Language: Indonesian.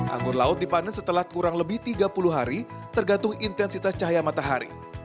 anggur laut dipanen setelah kurang lebih tiga puluh hari tergantung intensitas cahaya matahari